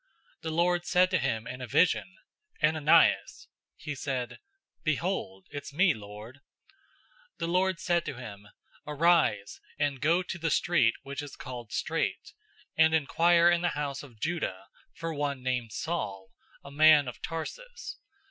The Lord said to him in a vision, "Ananias!" He said, "Behold, it's me, Lord." 009:011 The Lord said to him, "Arise, and go to the street which is called Straight, and inquire in the house of Judah{or, Judas} for one named Saul, a man of Tarsus.